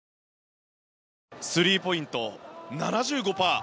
スリーポイント、７５％。